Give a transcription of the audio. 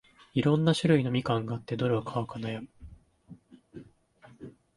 いろんな種類のみかんがあって、どれ買うか悩む